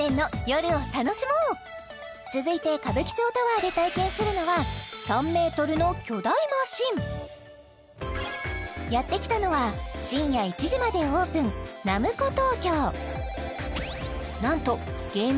続いて歌舞伎町タワーで体験するのは３ｍの巨大マシンやってきたのは深夜１時までオープンｎａｍｃｏＴＯＫＹＯ